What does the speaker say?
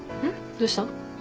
どうした？